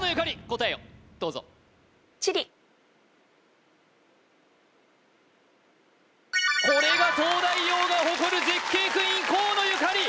答えをどうぞこれが東大王が誇る絶景クイーン河野ゆかり